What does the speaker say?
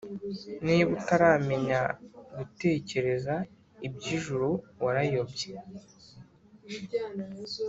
Niba utaramenya gutekereza ibyijuru warayobye